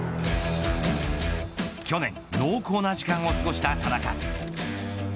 去年濃厚な時間を過ごした田中。